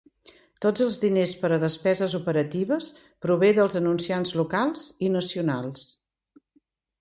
Tots els diners per a despeses operatives prové dels anunciants locals i nacionals.